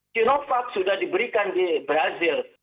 sinovac sudah diberikan di brazil